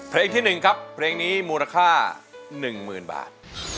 เพลงที่๑ครับเพลงนี้มูลค่า๑๐๐๐บาท